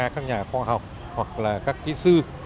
các nhà khoa học hoặc là các kỹ sư